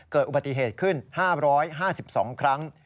เกิดอุบัติเหตุขึ้น๕๕๒ครั้ง